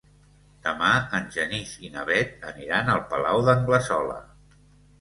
Demà en Genís i na Bet aniran al Palau d'Anglesola.